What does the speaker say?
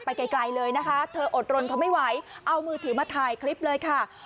ไกลเลยนะคะเธออดรนทนไม่ไหวเอามือถือมาถ่ายคลิปเลยค่ะ